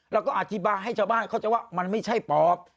แล้วก็อธิบายให้ชาวบ้านเข้าใจว่ามันไม่ใช่ปอบ